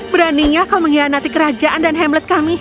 beraninya kau mengkhianati kerajaan dan hamlet kami